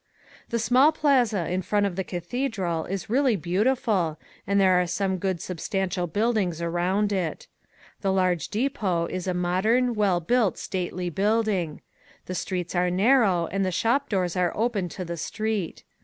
The small plaza in front of the cathedral is really beautiful and there are some good substantial buildings around it. The large depot is a modern, well built stately building. The streets are narrow and the shop doors are open to the street.